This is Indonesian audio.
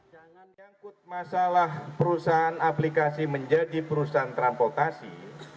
jangan nyangkut masalah perusahaan aplikasi menjadi perusahaan transportasi